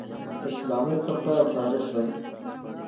اسلامي فقه او تاریخ دئ.